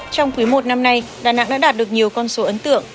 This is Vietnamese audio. trong quý một năm nay đà nẵng đã đạt được nhiều con số ấn tượng